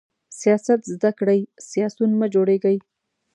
سیاست زده کړئ، سیاسیون مه جوړیږئ!